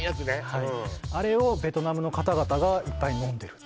はいあれをベトナムの方々がいっぱい飲んでる